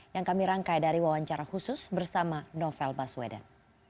yang kami rangkai dari wawancara khusus bersama novel baswedan